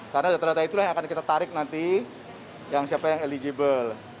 karena data data itulah yang akan kita tarik nanti yang siapa yang eligible